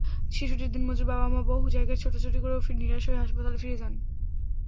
শিশুটির দিনমজুর বাবা-মা বহু জায়গায় ছোটাছুটি করেও নিরাশ হয়ে হাসপাতালে ফিরে যান।